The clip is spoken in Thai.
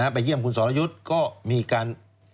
ไปเยี่ยมคุณสรยุทธ์ก็มีการ